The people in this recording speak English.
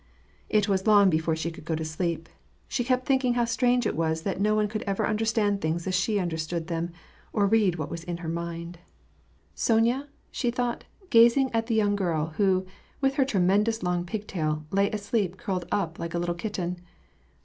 It was long before she could go to sleep. She kept thinking how strange it was that no one could ever understand things as she understood them, or read what was in her mind. WAR AND PEACE. 197 " Sonya ?" she thought, gazing at the young girl who, with her tremendous long pigtail, lay asleep curled up like a little kitten.